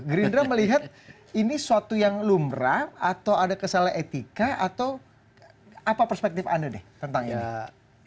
gerindra melihat ini suatu yang lumrah atau ada kesalahan etika atau apa perspektif anda deh tentang ini